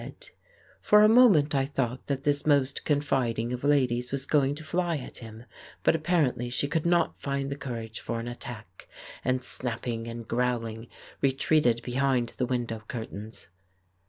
he said. For a moment I thought that this most confiding of ladies was going to fly at him. But apparently she could not find the courage for an attack, and, snapping and growling, retreated behind the window curtains.